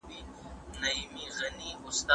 ايا تاسي به زموږ سره مرسته وکړئ؟